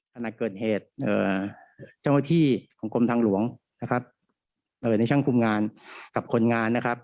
ขณะเกิดเหตุจังหวัดที่ของกรมทางหลวงในช่างคุมงานกับคนงาน